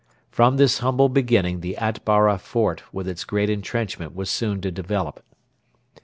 From this humble beginning the Atbara fort with its great entrenchment was soon to develop.